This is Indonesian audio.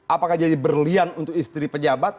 apakah jadi berlian untuk istri pejabat